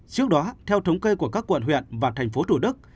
trước đó theo thống kê của các quận huyện và thành phố thủ đức